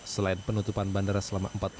selain penutupan bandara selama empat tahun